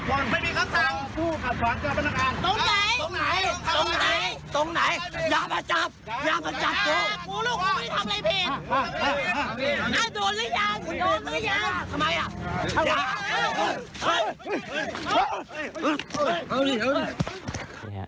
โอ้ทำไมเน็ตยัวละ